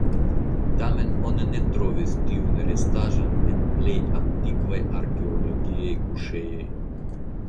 Tamen oni ne trovis tiujn restaĵojn en plej antikvaj arkeologiaj kuŝejoj.